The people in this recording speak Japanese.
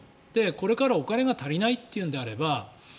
これからお金が足りないっていうんであれば。